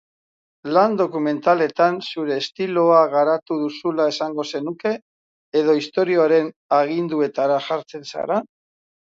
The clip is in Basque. Lan dokumentaletan zure estiloa garatu duzula esango zenuke edo istorioaren aginduetara jartzen zara?